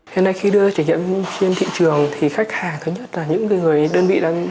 hôm nay khi đưa trải nghiệm trên thị trường thì khách hàng thứ nhất là những người đơn vị